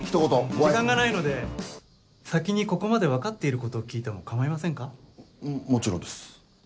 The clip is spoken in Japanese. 時間がないので先にここまで分かっていることを聞いても構いませんか？ももちろんです。